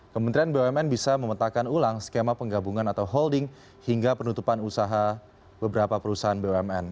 kementerian bumn bisa memetakan ulang skema penggabungan atau holding hingga penutupan usaha beberapa perusahaan bumn